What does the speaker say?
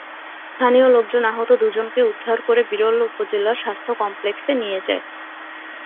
স্থানীয় লোকজন আহত দুজনকে উদ্ধার করে বিরল উপজেলা স্বাস্থ্য কমপ্লেক্সে নিয়ে যায়।